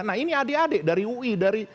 nah ini adik adik dari ui dari